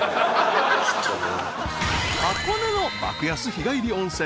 ［箱根の爆安日帰り温泉。